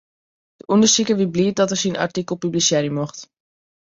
De ûndersiker wie bliid dat er syn artikel publisearje mocht.